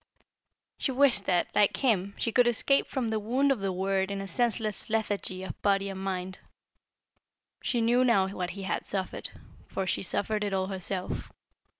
She wished that, like him, she could escape from the wound of the word in a senseless lethargy of body and mind. She knew now what he had suffered, for she suffered it all herself.